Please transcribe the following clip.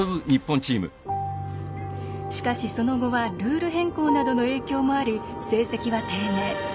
しかし、その後はルール変更などの影響もあり成績は低迷。